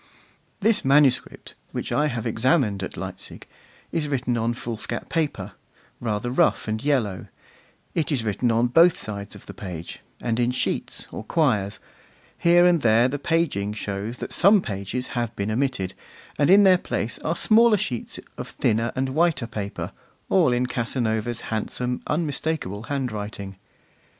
This manuscript, which I have examined at Leipzig, is written on foolscap paper, rather rough and yellow; it is written on both sides of the page, and in sheets or quires; here and there the paging shows that some pages have been omitted, and in their place are smaller sheets of thinner and whiter paper, all in Casanova's handsome, unmistakable handwriting.